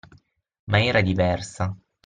Ma era diversa